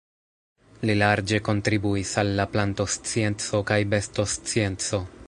Li larĝe kontribuis al la plantoscienco kaj bestoscienco.